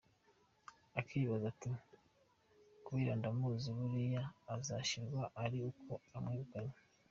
Akibaza ati “Kabera ndamuzi buriya azashirwa ari uko amwegukanye.